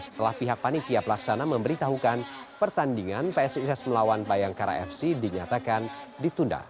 setelah pihak panitia pelaksana memberitahukan pertandingan psis melawan bayangkara fc dinyatakan ditunda